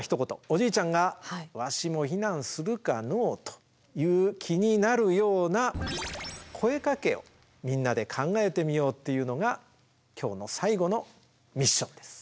おじいちゃんが「わしも避難するかのう」という気になるような声かけをみんなで考えてみようっていうのが今日の最後のミッションです。